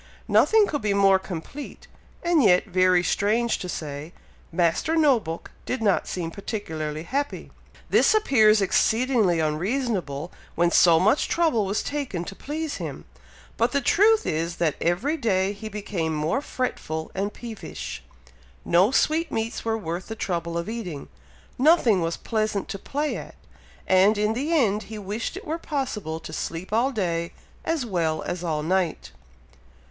Nothing could be more complete, and yet, very strange to say, Master No book did not seem particularly happy! This appears exceedingly unreasonable, when so much trouble was taken to please him; but the truth is, that every day he became more fretful and peevish. No sweetmeats were worth the trouble of eating, nothing was pleasant to play at, and in the end he wished it were possible to sleep all day, as well as all night.